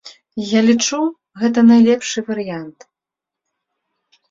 Я лічу, гэта найлепшы варыянт.